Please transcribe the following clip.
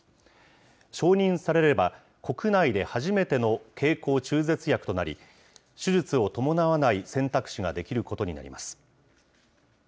承認されれば、国内で初めての経口中絶薬となり、手術を伴わない選択肢ができることになります。